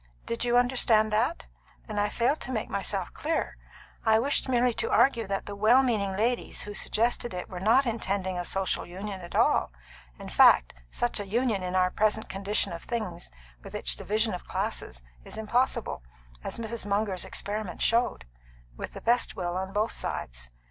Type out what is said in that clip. "Did you understand that? Then I failed to make myself clear. I wished merely to argue that the well meaning ladies who suggested it were not intending a social union at all. In fact, such a union in our present condition of things, with its division of classes, is impossible as Mrs. Munger's experiment showed with the best will on both sides.